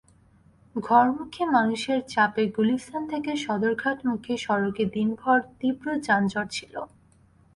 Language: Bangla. ঘরমুখী মানুষের চাপে গুলিস্তান থেকে সদরঘাটমুখী সড়কে দিনভর তীব্র যানজট ছিল।